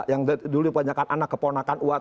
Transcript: yang dulu dipanyakan anak keponakan